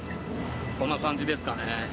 こんな感じですかね。